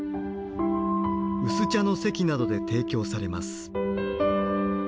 薄茶の席などで提供されます。